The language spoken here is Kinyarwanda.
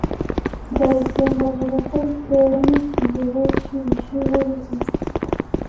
Nzayisenga avuga ko bitewe n’ikigero cy’ubushyuhe ariho,